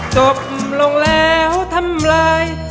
จบลงแล้วทำไร